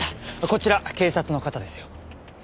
こちら警察の方ですよ。